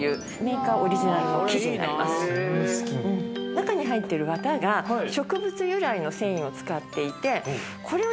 中に入ってる綿が植物由来の繊維を使っていてこれを。